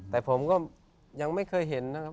แต่ผมก็ยังไม่เคยเห็นนะครับ